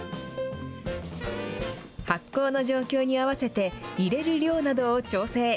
発酵の状況に合わせて入れる量などを調整。